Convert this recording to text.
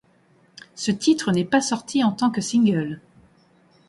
Ce titre n'est pas sorti en tant que single.